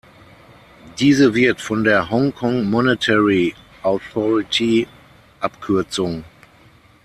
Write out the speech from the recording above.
Diese wird von der Hong Kong Monetary Authority, Abk.